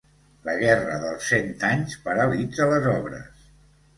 La Guerra dels Cent Anys paralitza les obres.